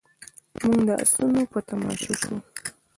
موږ د اسونو په تماشه شوو.